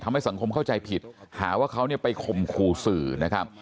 ทำให้สังคมเข้าใจผิดหาว่าเขาเนี่ยไปข่มขู่สื่อนะครับ